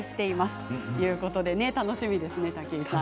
ということで、楽しみですね武井さん。